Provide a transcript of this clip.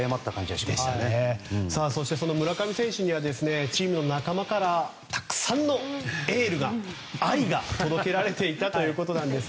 そして、その村上選手にはチームの仲間からたくさんのエールが愛が届けられていたということです。